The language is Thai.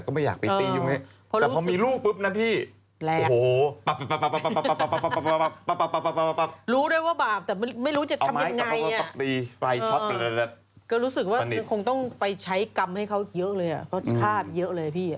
ก็ต้องไปใช้กรรมให้เขาเยอะเลยเขาฆ่าเยอะเลยพี่